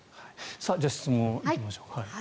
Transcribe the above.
じゃあ、質問行きましょうか。